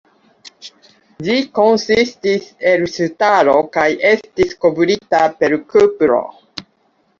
Ĝi konsistis el ŝtalo kaj estis kovrita per kupro.